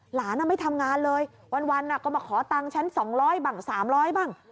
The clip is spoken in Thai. หลานอ่ะไม่ทำงานเลยวันอ่ะก็มาขอตังฉันสองร้อยบังสามร้อยบ้าง